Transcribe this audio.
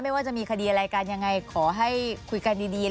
ว่าจะมีคดีอะไรกันยังไงขอให้คุยกันดี